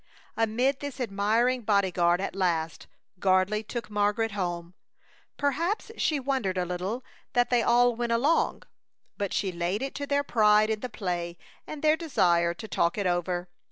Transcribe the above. Amid this admiring bodyguard at last Gardley took Margaret home. Perhaps she wondered a little that they all went along, but she laid it to their pride in the play and their desire to talk it over.